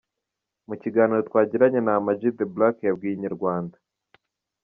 Mu kiganiro twagiranye na Ama G The Black yabwiye Inyarwanda.